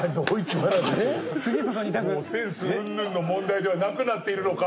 もうセンスうんぬんの問題ではなくなっているのか？